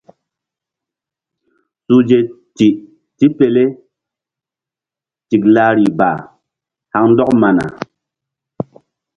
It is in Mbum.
Suhze ti tipele tiklari ba haŋ ndɔk mana.